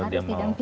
harus di dampingin